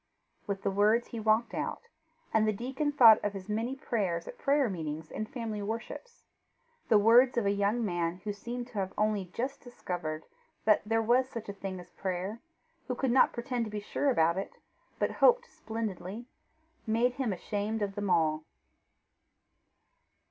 With the words he walked out, and the deacon thought of his many prayers at prayer meetings and family worships. The words of a young man who seemed to have only just discovered that there was such a thing as prayer, who could not pretend to be sure about it, but hoped splendidly, made him ashamed of them all.